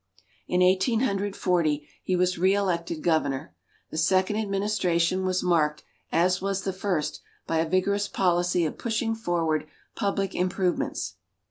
In Eighteen Hundred Forty, he was re elected Governor. The second administration was marked, as was the first, by a vigorous policy of pushing forward public improvements.